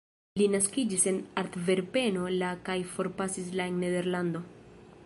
Li naskiĝis en Antverpeno la kaj forpasis la en Nederlando.